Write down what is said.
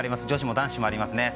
女子も男子もあります。